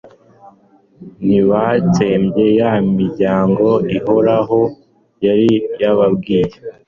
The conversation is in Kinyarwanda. ntibatsembye ya miryangouhoraho yari yababwiye